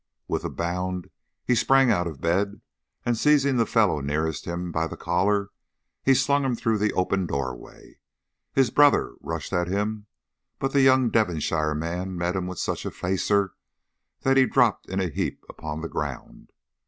With a bound he sprang out of bed, and seizing the fellow nearest him by the collar, he slung him through the open doorway. His brother rushed at him, but the young Devonshire man met him with such a facer that he dropped in a heap upon the ground.